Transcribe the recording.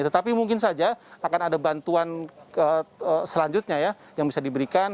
tetapi mungkin saja akan ada bantuan selanjutnya ya yang bisa diberikan